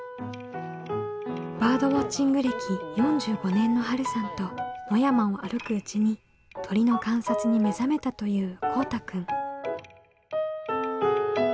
バードウォッチング歴４５年のはるさんと野山を歩くうちに鳥の観察に目覚めたというこうたくん。